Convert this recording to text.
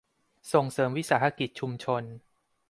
ส่งเสริมวิสาหกิจชุมชน